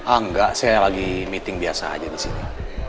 enggak saya lagi meeting biasa aja disini